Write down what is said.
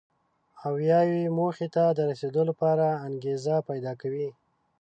او یا یوې موخې ته د رسېدو لپاره انګېزه پیدا کوي.